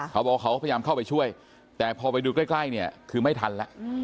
เขาบอกเขาพยายามเข้าไปช่วยแต่พอไปดูใกล้เนี่ยคือไม่ทันแล้ว